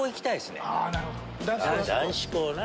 男子校な。